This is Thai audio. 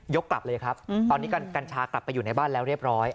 กลับเลยครับตอนนี้กัญชากลับไปอยู่ในบ้านแล้วเรียบร้อย